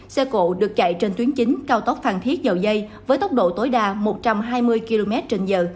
xe cộ được chạy trên tuyến chính cao tốc phan thiết dầu dây với tốc độ tối đa một trăm hai mươi km trên giờ